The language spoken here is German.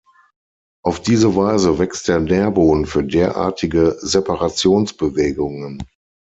Auf diese Weise wächst der Nährboden für derartige Separationsbewegungen.